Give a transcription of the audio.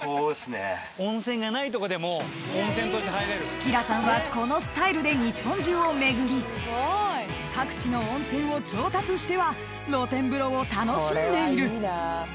［きらさんはこのスタイルで日本中を巡り各地の温泉を調達しては露天風呂を楽しんでいる］